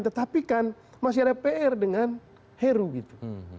tetapi kan masih ada pr dengan heru gitu